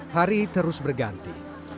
hari terus berganti